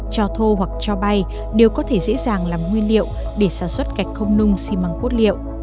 cho thô hoặc cho bay đều có thể dễ dàng làm nguyên liệu để sản xuất gạch không nung xi măng cốt liệu